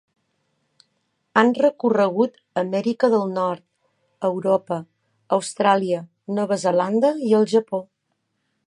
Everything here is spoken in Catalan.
Han recorregut Amèrica del Nord, Europa, Austràlia, Nova Zelanda i el Japó.